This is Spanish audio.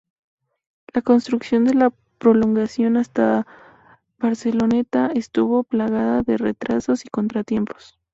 La construcción de la prolongación hasta Barceloneta estuvo plagada de retrasos y contratiempos.